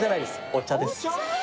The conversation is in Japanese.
お茶です